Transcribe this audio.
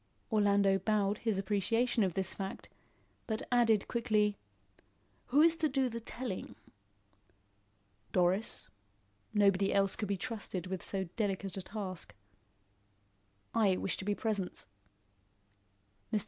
Orlando bowed his appreciation of this fact, but added quickly: "Who is to do the telling?" "Doris. Nobody else could be trusted with so delicate a task." "I wish to be present." Mr.